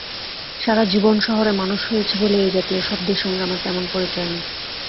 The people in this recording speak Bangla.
সারা জীবন শহরে মানুষ হয়েছি বলে এই জাতীয় শব্দের সঙ্গে আমার তেমন পরিচয় নেই।